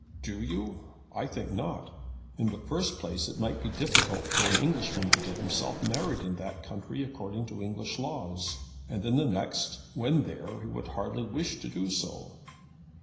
"Do you? I think not. In the first place it might be difficult for an Englishman to get himself married in that country according to English laws, and in the next, when there, he would hardly wish to do so."